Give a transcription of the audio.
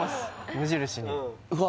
無印にうわ